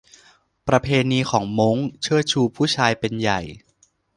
ประเพณีของม้ง เชิดชูผู้ชายเป็นใหญ่